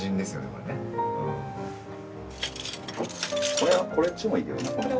これはこっちもいいけどな。